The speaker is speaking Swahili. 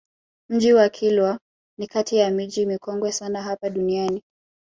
Mji wa Kilwa ni kati ya miji mikongwe sana hapa duniani